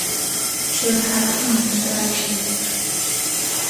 Пщэрыхьапӏэм мэкӏаи ит.